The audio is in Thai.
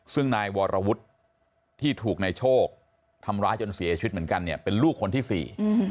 ซึ่งนายวรวุฒิที่ถูกนายโชคทำร้ายจนเสียชีวิตเหมือนกันเนี่ยเป็นลูกคนที่สี่